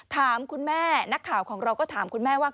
ถามคุณแม่นักข่าวของเราก็ถามคุณแม่ว่า